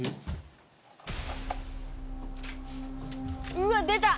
うわ出た！